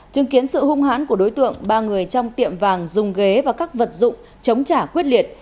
chứng kiến sự hung hãn của đối tượng ba người trong tiệm vàng dùng ghế và các vật dụng chống trả quyết liệt